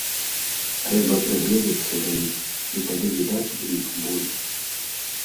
Трэба прыгледзецца да іх, і тады відаць у іх боль.